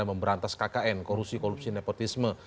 memberantas kkn korupsi korupsi nepotisme